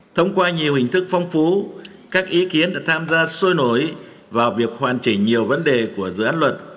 thông qua nhiều hình thức phong phú các ý kiến đã tham gia sôi nổi vào việc hoàn chỉnh nhiều vấn đề của dự án luật